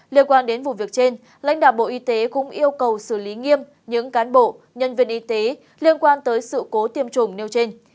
liên quan đến vụ việc trên lãnh đạo bộ y tế cũng yêu cầu xử lý nghiêm những cán bộ nhân viên y tế liên quan tới sự cố tiêm chủng nêu trên